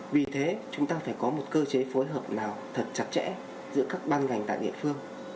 vì thế chúng ta phải có một cơ chế phối hợp nào thật chặt chẽ giữa các ban ngành tại địa phương